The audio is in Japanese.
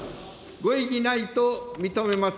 ご異議ないと認めます。